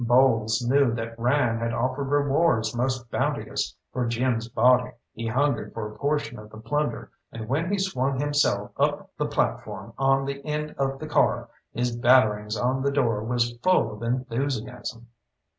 Bowles knew that Ryan had offered rewards most bounteous for Jim's body; he hungered for a portion of the plunder, and when he swung himself up the platform on the end of the car his batterings on the door was full of enthusiasm.